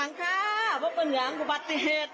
ภัณฑ์อย่างค่ะภัณฑ์อย่างประตริเหตุ